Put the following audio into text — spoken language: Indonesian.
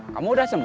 kamu udah sembuh